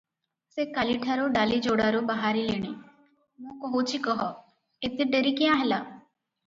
ସେ କାଲିଠାରୁ ଡାଳିଯୋଡ଼ାରୁ ବାହାରିଲେଣି, ମୁଁ କହୁଛି କହ, ଏତେ ଡେରି କ୍ୟାଁ ହେଲା?